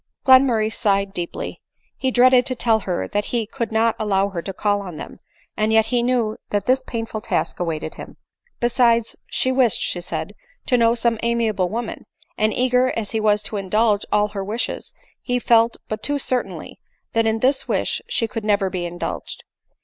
Glenmurray sighed deeply; he dreaded to tell her that he could not allow her to call on them, and yet he knew that this painful task awaited him. Besides, she wished, she said, to know some amiable women ; and, eager as he was to indulge all her wishes, he felt but too certainly that in this wish she could never be indulged.